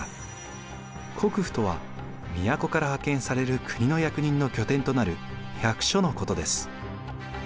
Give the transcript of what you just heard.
国府とは都から派遣される国の役人の拠点となる役所のことです。